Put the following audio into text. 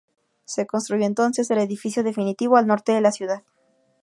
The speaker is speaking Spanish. Se construyó entonces el edificio definitivo, al norte de la ciudad.